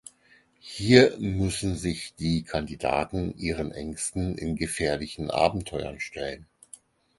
Hier müssen sich die Kandidaten ihren Ängsten in gefährlichen Abenteuern stellen.